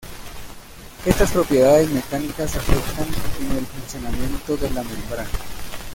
Estas propiedades mecánicas afectan en el funcionamiento de la membrana.